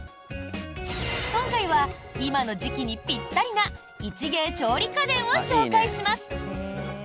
今回は、今の時期にぴったりな一芸調理家電を紹介します！